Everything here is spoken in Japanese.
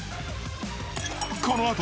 このあと